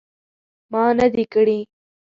ما نه دي کړي